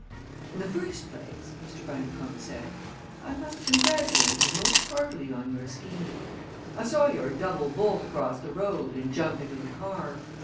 "In the first place," Mr. Bundercombe said, "I must congratulate you most heartily on your scheme. I saw your double bolt across the road and jump into the car.